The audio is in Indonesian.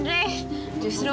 terima kasih shainop